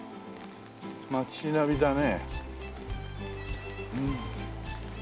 街並みだね。